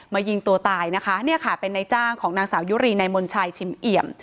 ยิงตัวตายนะคะเนี่ยค่ะเป็นนายจ้างของนางสาวยุรีนายมนชัยชิมเอี่ยม